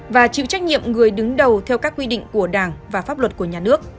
và chịu trách nhiệm người đứng đầu theo các quy định của đảng và pháp luật của nhà nước